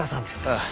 ああ。